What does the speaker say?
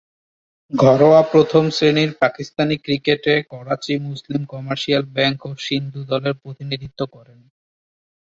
ঘরোয়া প্রথম-শ্রেণীর পাকিস্তানি ক্রিকেটে করাচি, মুসলিম কমার্শিয়াল ব্যাংক ও সিন্ধু দলের প্রতিনিধিত্ব করেন।